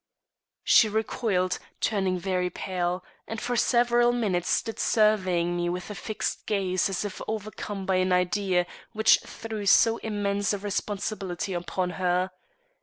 She recoiled, turning very pale, and for several minutes stood surveying me with a fixed gaze as if overcome by an idea which threw so immense a responsibility upon her.